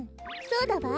そうだわ。